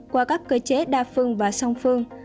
qua các cơ chế đa phương và song phương